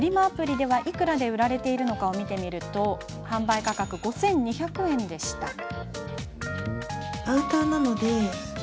アプリでいくらで売られているのかを見てみると販売価格は５２００円でした。